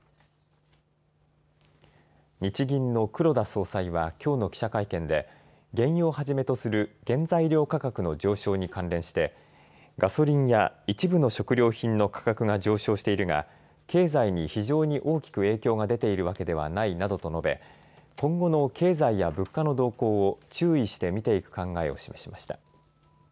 日銀の黒田総裁はきょうの記者会見で、原油をはじめとする原材料価格の上昇に関連して、ガソリンや一部の食料品の価格が上昇しているが、経済に非常に大きく影響が出ているわけではないなどと述べ、今後の経済や物価の動向を注意して見ていく考えを示しました。